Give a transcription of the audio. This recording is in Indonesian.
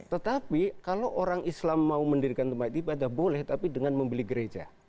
tetapi kalau orang islam mau mendirikan tempat ibadah boleh tapi dengan membeli gereja